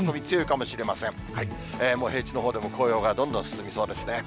もう平地のほうでも紅葉がどんどん進みそうですね。